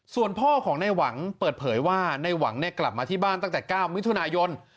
ส่วนพ่อของในหวังเปิดเผยว่าในหวังกลับมาที่บ้านตั้งแต่๙มิถุนายน